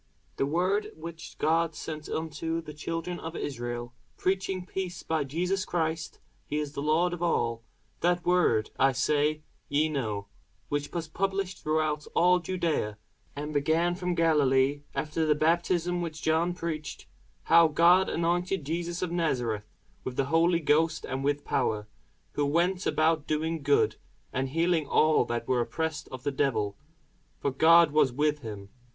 The word which God sent unto the children of Israel, preaching peace by Jesus Christ: (he is Lord of all:) that word, I say, ye know, which was published throughout all Judæa, and began from Galilee, after the baptism which John preached; how God anointed Jesus of Nazareth with the Holy Ghost and with power: who went about doing good, and healing all that were oppressed of the devil; for God was with him.